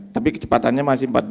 tapi kecepatannya masih empat puluh dua